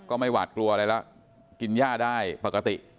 ไม่หวาดกลัวอะไรแล้วกินย่าได้ปกติ